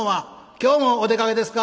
「今日もお出かけですか」。